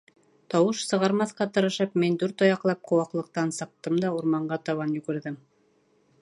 Тауыш сығармаҫҡа тырышып, мин дүрт аяҡлап ҡыуаҡлыҡтан сыҡтым да урманға табан йүгерҙем.